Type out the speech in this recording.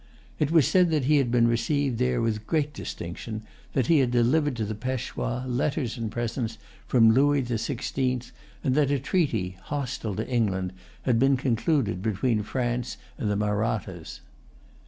It was said that he had been received there with great distinction, that he had delivered to the Peshwa letters and presents from Louis the Sixteenth, and that a treaty, hostile to England, had been concluded between France and the Mahrattas.